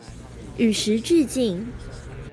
與時俱進